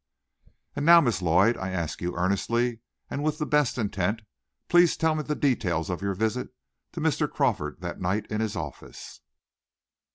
"And now, Miss Lloyd, I ask you earnestly and with the best intent, please to tell me the details of your visit to Mr. Crawford that night in his office."